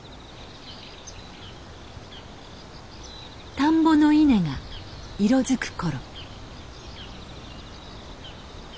田んぼの稲が色づく頃。